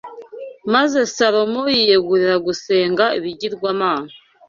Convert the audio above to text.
maze Salomo yiyegurira gusenga ibigirwamana